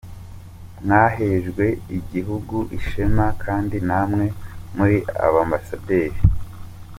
Mwahesheje igihugu ishema kandi namwe muri ba ambasaderi.